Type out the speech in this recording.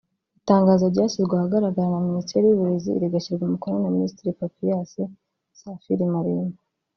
Itangazo ryashyizwe ahagaragara na Minisiteri y’Uburezi rigashyirwaho umukono na Minisitiri Papias Musafili Malimba